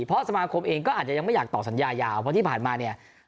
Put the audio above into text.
เพราะสมาคมเองก็อาจจะยังไม่อยากต่อสัญญายาวเพราะที่ผ่านมาเนี่ย